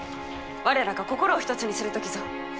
我らが心を一つにする時ぞ。